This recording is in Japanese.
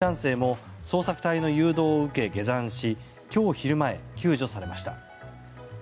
友人のアメリカ人男性も捜索隊の誘導を受け下山し今日昼前、救助されました。